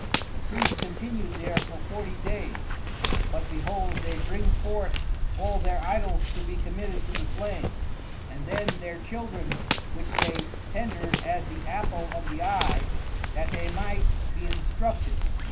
The Priests continued there but forty days, but behold they bring forth all their Idols to be committed to the flames; and then their Children which they tendred as the apple of the Eye, that they might be instructed.